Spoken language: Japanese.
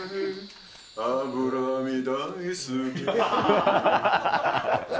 脂身大好き。